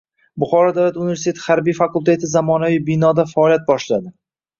Buxoro davlat universiteti harbiy fakulteti zamonaviy binoda faoliyat boshladi